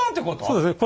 そうですね。